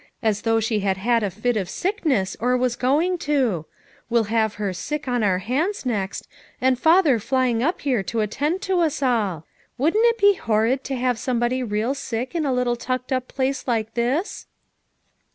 as though she had had a fit of sickness, or was going to ; we'll have her sick on our hands, next, and father flying up here to attend to us all. Wouldn't it be horrid to have somebody real sick in a little tucked up place like this